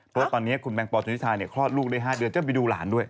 เพราะว่าตอนนี้คุณแมงปอธิชาเนี่ยคลอดลูกได้๕เดือนจะไปดูหลานด้วย